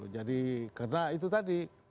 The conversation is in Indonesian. jadi karena itu tadi